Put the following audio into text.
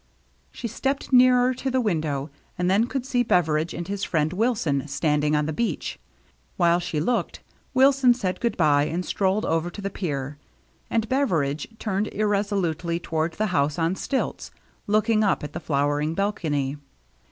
She stepped nearer to the window and then could see Beveridge and his friend Wilson standing on the beach. While she looked, Wilson said good by, and strolled over to the pier ; and Beveridge turned irresolutely toward the house on stilts, looking up at the flowering balcony.